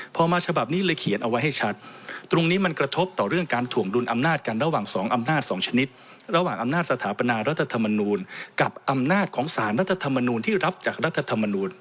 พอมาฉบับนี้เลยเขียนเอาไว้ให้ชัดตรงนี้มันกระทบต่อเรื่องการถ่วงดุลอำนาจกันระหว่าง๒อำนาจ๒ชนิดระหว่างอำนาจสถาปนารัฐธรรมนูลกับอำนาจของสารรัฐธรรมนูลที่รับจากรัฐธรรมนูล